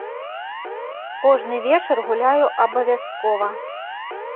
Кожны вечар гуляю абавязкова.